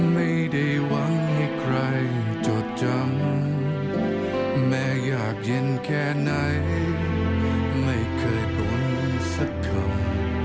มีใครจดจำแม้อยากเย็นแค่ไหนไม่เคยบุญสักครั้ง